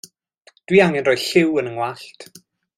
Dw i angen rhoi lliw yn 'y ngwallt.